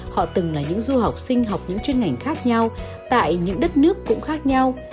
họ từng là những du học sinh học những chuyên ngành khác nhau tại những đất nước cũng khác nhau